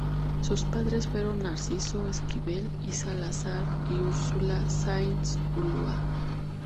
Sus padres fueron Narciso Esquivel y Salazar y Úrsula Sáenz Ulloa.